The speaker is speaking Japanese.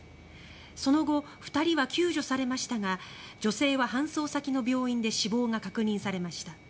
その後、２人は救助されましたが女性は搬送先の病院で死亡が確認されました。